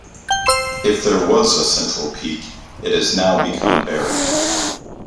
If there was a central peak, it has now become buried.